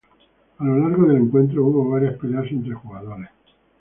A lo largo del encuentro hubo varias peleas entre jugadores.